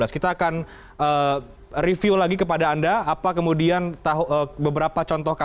kita akan review lagi kepada anda apa kemudian beberapa contoh kasus